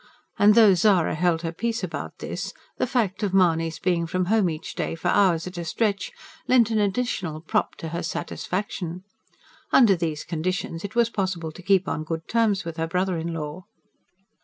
And though Zara held her peace about this the fact of Mahony's being from home each day, for hours at a stretch, lent an additional prop to her satisfaction. Under these conditions it was possible to keep on good terms with her brother in law.